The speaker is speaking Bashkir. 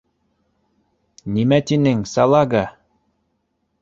— Нимә тинең, салага?!